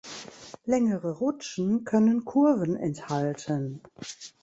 Längere Rutschen können Kurven enthalten.